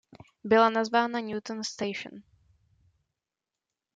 Byla nazvána Newton Station.